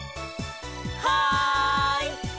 はい！